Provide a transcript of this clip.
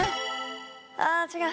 ああ違う。